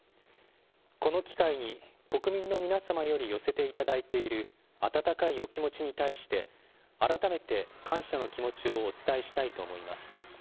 この機会に国民の皆様より寄せていただいている温かいお気持ちに対して、改めて感謝の気持ちをお伝えしたいと思います。